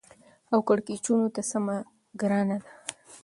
او کېړکیچو ته سمه ګرانه ده.